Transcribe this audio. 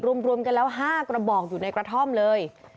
รวมกันแล้ว๕กระบอกอยู่ในกระท่อมเลย